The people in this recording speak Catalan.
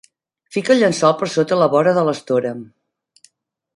Fica el llençol per sota la vora de l'estora.